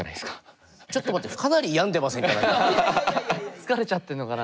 疲れちゃってるのかな。